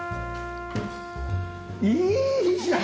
いいじゃん！